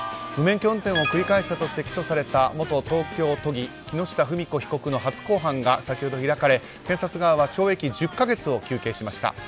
無免許運転を繰り返したとして起訴された元東京都議木下富美子被告の初公判が先ほど開かれ、検察側は懲役１０か月を求刑しました。